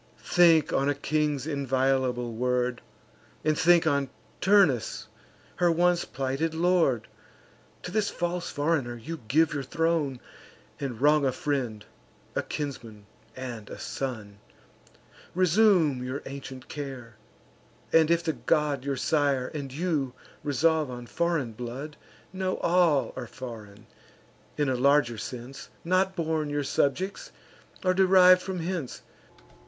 Think on a king's inviolable word; And think on Turnus, her once plighted lord: To this false foreigner you give your throne, And wrong a friend, a kinsman, and a son. Resume your ancient care; and, if the god Your sire, and you, resolve on foreign blood, Know all are foreign, in a larger sense, Not born your subjects, or deriv'd from hence.